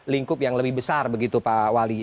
lingkup yang lebih besar begitu pak wali